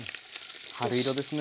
春色ですね。